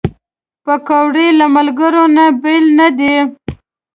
پکورې له ملګرو نه بېل نه دي